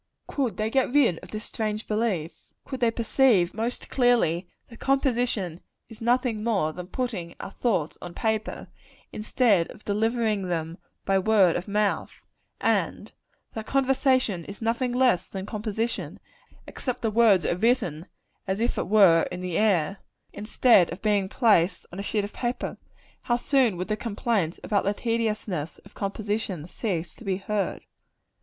Could they get rid of this strange belief could they perceive, most clearly, that composition is nothing more than putting our thoughts on paper, instead of delivering them by word of mouth and that conversation is nothing less than composition, except that the words are written as it were in the air, instead of being placed on a sheet of paper how soon would the complaints about the tediousness of composition cease to be heard.